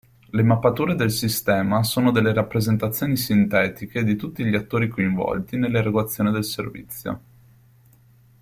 Le mappature del sistema sono delle rappresentazioni sintetiche di tutti gli attori coinvolti nell'erogazione del servizio.